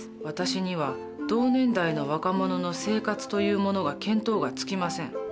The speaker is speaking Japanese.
私には同年代の若者の生活というものが見当がつきません。